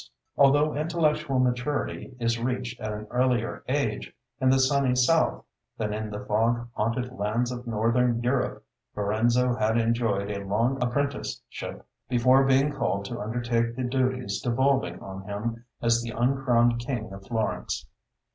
Although intellectual maturity is reached at an earlier age in the sunny South than in the fog haunted lands of Northern Europe, Lorenzo had enjoyed a long apprenticeship before being called to undertake the duties devolving on him as the uncrowned king of Florence.